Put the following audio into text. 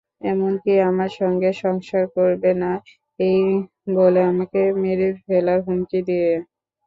এমনকি আমার সঙ্গে সংসার করবে না—এই বলে আমাকে মেরে ফেলার হুমকি দেয়।